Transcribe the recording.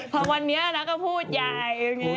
เพราะวันนี้แล้วก็พูดใหญ่อะไรอย่างนี้